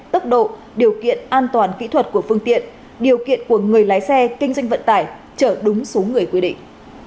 tốc độ điều kiện an toàn kỹ thuật của phương tiện điều kiện của người lái xe kinh doanh vận tải chở đúng số người quy định